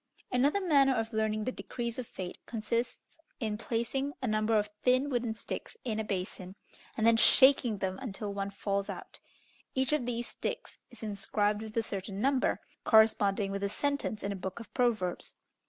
Another manner of learning the decrees of fate consists in placing a number of thin wooden sticks in a basin, and then shaking them until one falls out. Each of these sticks is inscribed with a certain number, corresponding with a sentence in a book of proverbs.